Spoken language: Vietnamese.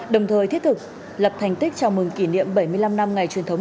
đồng thời thiết thực lập thành tích chào mừng kỷ niệm bảy mươi năm năm ngày truyền thống